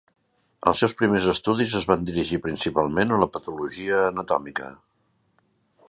Els seus primers estudis es van dirigir principalment a la patologia anatòmica.